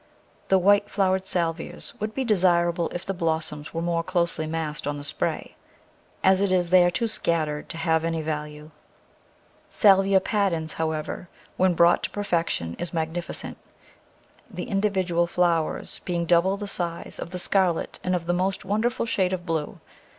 The white flowered Salvias would be desirable if the blos soms were more closely massed on the spray; as it is they are too scattered to have any value. S. patens, however, when brought to perfection is magnificent, the individual flowers being double the size of the Digitized by Google 122 The Flower Garden [Chapter scarlet and of the most wonderful shade of blue.